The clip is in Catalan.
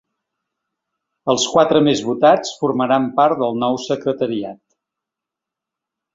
Els quatre més votats formaran part del nou secretariat.